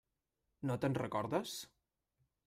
No te'n recordes?